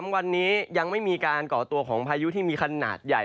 วันนี้ยังไม่มีการก่อตัวของพายุที่มีขนาดใหญ่